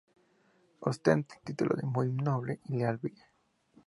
Ostenta el título de "Muy noble y leal villa".